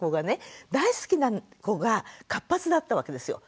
大好きな子が活発だったわけですよ。